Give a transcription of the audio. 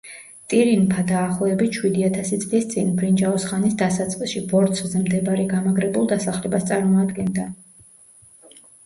ტირინფა დაახლოებით შვიდი ათასი წლის წინ, ბრინჯაოს ხანის დასაწყისში, ბორცვზე მდებარე გამაგრებულ დასახლებას წარმოადგენდა.